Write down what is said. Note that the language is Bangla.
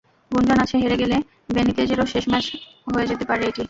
গুঞ্জন আছে, হেরে গেলে বেনিতেজেরও শেষ ম্যাচ হয়ে যেতে পারে এটি।